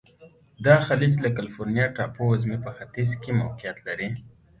دا خلیج د کلفورنیا ټاپو وزمي په ختیځ کې موقعیت لري.